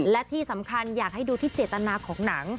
และที่สำคัญอยากให้ดูที่เจตนาของหนัง